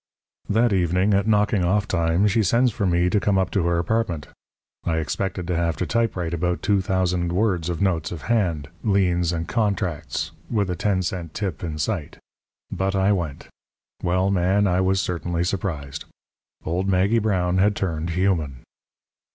"That evening at knocking off time she sends for me to come up to her apartment. I expected to have to typewrite about two thousand words of notes of hand, liens, and contracts, with a ten cent tip in sight; but I went. Well, Man, I was certainly surprised. Old Maggie Brown had turned human.